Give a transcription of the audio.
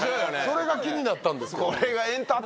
それが気になったんですけど。